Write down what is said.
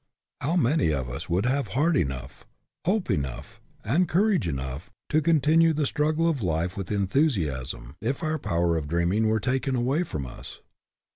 How many of us would have heart enough, hope enough, and courage enough, to continue the struggle of life with enthusiasm if our power of dreaming were taken away from us?